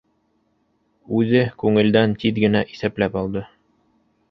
— Үҙе күңелдән тиҙ генә иҫәпләп алды.